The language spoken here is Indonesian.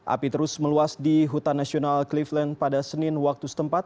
api terus meluas di hutan nasional cleveland pada senin waktu setempat